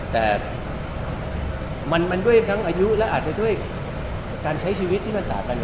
แต่มันด้วยทั้งอายุและอาจจะด้วยการใช้ชีวิตที่มันต่างกัน